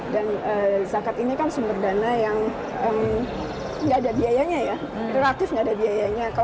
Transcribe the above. dan zakat ini kan sumber dana yang nggak ada biayanya ya relatif nggak ada biayanya